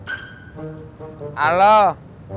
tunggu bentar gue coba telfon si udin